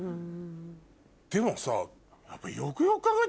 でもさ。